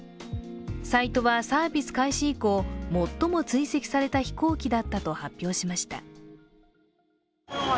サイトはサービス開始以降、最も追跡された飛行機だったと発表しました。